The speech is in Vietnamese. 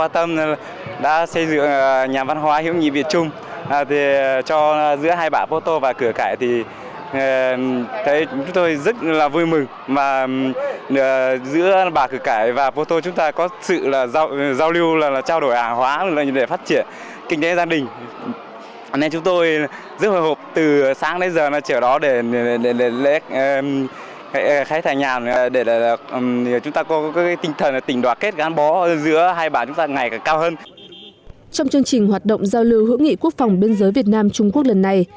trong chương trình hoạt động giao lưu hữu nghị quốc phòng biên giới việt nam trung quốc lần này